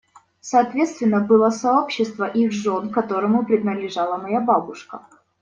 Соответственно, было сообщество их жен, к которому принадлежала моя бабушка.